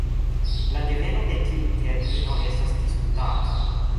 La deveno de tiu termino estas disputata.